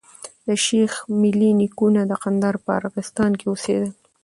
د شېخ ملي نيکونه د کندهار په ارغستان کي اوسېدل.